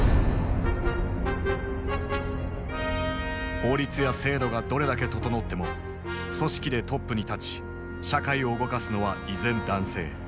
法律や制度がどれだけ整っても組織でトップに立ち社会を動かすのは依然男性。